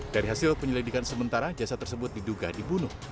dari hasil penyelidikan sementara jasad tersebut diduga dibunuh